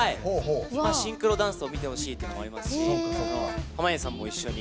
シンクロダンスを見てほしいと思いますし濱家さんも一緒に。